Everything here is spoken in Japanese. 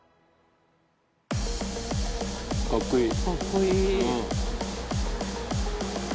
かっこいい。）